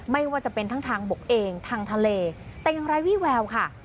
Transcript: ไม่ว่าจะเป็นทั้งทางบกเองทางทะเลแต่ยังไร้วี่แววค่ะ